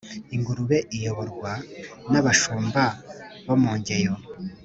Ingurube iyoborwa n'abashumba bo mu Ngeyo